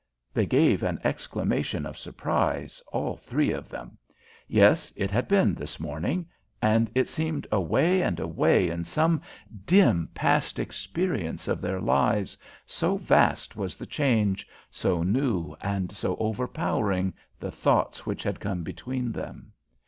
They gave an exclamation of surprise, all three of them. Yes, it had been this morning; and it seemed away and away in some dim past experience of their lives, so vast was the change, so new and so overpowering the thoughts which had come between them.